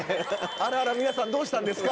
「あらあら皆さんどうしたんですか？」